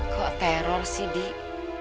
kok teror sih dik